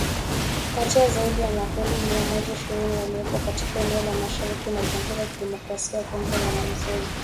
Kati ya zaidi ya makundi mia moja ishirini yaliyopo katika eneo la mashariki mwa Jamhuri ya kidemokrasia ya Kongo lenye mzozo.